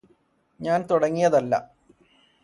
ഞാന് തുടങ്ങിയതല്ല